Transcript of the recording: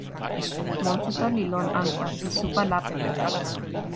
monsuta li lon anpa pi supa lape mi.